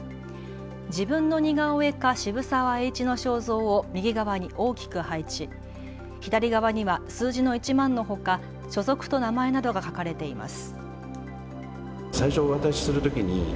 自分の似顔絵か渋沢栄一の肖像を右側に大きく配置、左側には数字の１万のほか所属と名前などが書かれています。